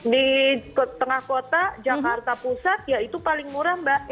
di tengah kota jakarta pusat ya itu paling murah mbak